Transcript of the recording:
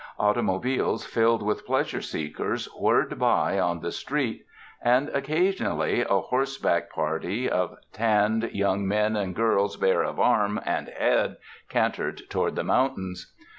Automo biles filled with pleasure seekers whirred by on the street, and occasionally a horseback party of tanned 246 RESIDENCE IN THE LAND OF SUNSHINE young men and girls bare of arm and head cantered toward the mountains.